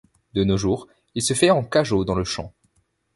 De nos jours, il se fait en cageots dans le champ.